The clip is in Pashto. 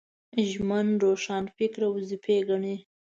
ژمن روښانفکر وظیفه ګڼي